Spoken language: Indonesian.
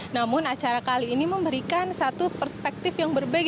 namun acara kali ini memberikan satu perspektif yang berbeda